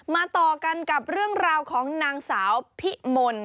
ต่อกันกับเรื่องราวของนางสาวพิมล